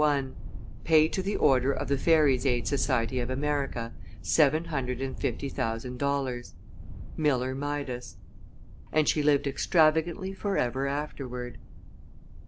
1 Pay to the order of The Fairy's Aid Society of America Seven hundred and fifty thousand Dollars ($750,000.00) GASMERILDA MILLER MIDAS And she lived extravagantly forever afterward.